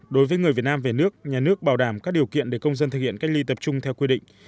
đối với người việt nam về nước nhà nước bảo đảm các điều kiện để công dân thực hiện cách ly tập trung theo quy định